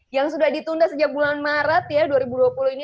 yang sudah ditunda sejak bulan maret ya dua ribu dua puluh ini